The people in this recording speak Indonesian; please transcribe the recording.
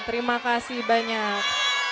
terima kasih banyak